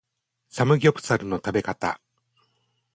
サムギョプサルの食べ方